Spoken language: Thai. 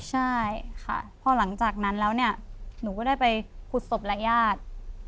ใช่ค่ะพอหลังจากนั้นแล้วเนี่ยหนูก็ได้ไปขุดศพและญาติ